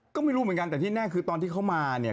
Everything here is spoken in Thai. ก็ไม่รู้เหมือนกันแต่ที่แน่คือตอนที่เขามาเนี่ย